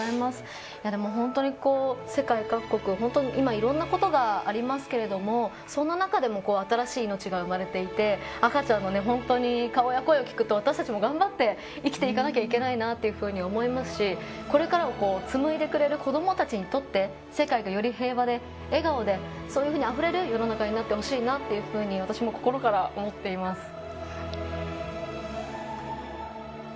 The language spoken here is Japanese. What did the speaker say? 本当に、世界各国本当に今いろんなことがありますけれどもそんな中でも新しい命が生まれていて赤ちゃんの本当にかわいい声を聞くと私たちも頑張って生きていかなきゃいけないなと思いますしこれからをつむいでくれる子どもたちにとって世界がより平和で、笑顔でそういうものがあふれる世の中になってほしいなというふうに私も心から思っています。